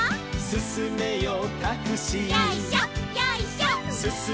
「すすめよタクシー」